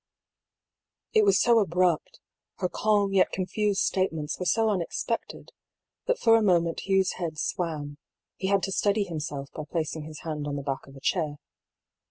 It was so abrupt, her calm yet confused statements were so unexpected, that for a moment Hugh's head swam, he had to steady himself by placing his hand on the back of a chair.